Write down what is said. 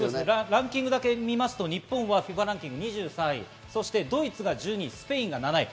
ランキングだけ見ると、日本はＦＩＦＡランキング２３位、ドイツ１２位、スペイン７位。